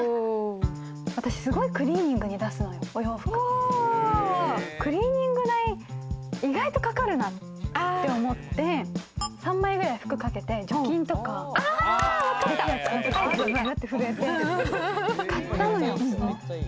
私、すごいクリーニングに出すのよ、お洋服、クリーニング代、意外とかかるなって思って、３枚くらい服かけて除菌とか出来るやつ、買ったのよ。